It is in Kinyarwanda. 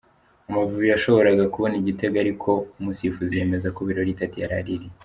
Amavubi yashoboraga kubona igitego ariko umusifuzi yemeza ko Birori Dady yaraririye.